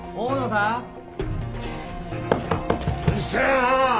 うっせえな！